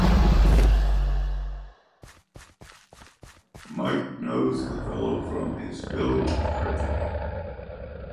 Mike knows the fellow from his village cricketing.